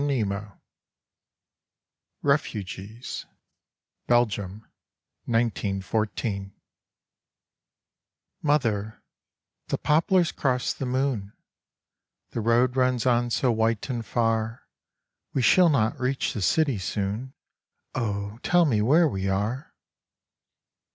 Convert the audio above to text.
24 REFUGEES Belgium — 1914 11 Mother, the poplars cross the moon ; The road runs on so white and far, We shall not reach the city soon, Oh, tell me where we are